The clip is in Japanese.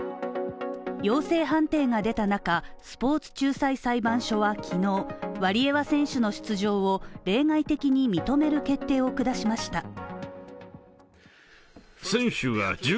陽性判定が出た中、スポーツ仲裁裁判所は昨日、ワリエワ選手の出場を例外的に認める決定を下しました。